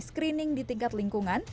screening di tingkat lingkungan